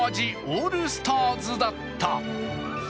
オールスターズだった。